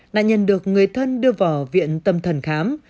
nạn nhân được người thân đưa vào viện tâm thần khám